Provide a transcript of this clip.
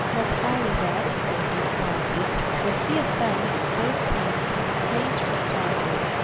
Not only that, quoth Anacharsis, but he affirms both plants to be great restoratives.